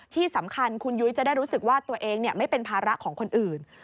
ที่สำคัญคุณยุ้ยจะได้รู้สึกว่าตัวเองไม่เป็นภาระของคนอื่น